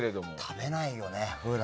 食べないよね、普段。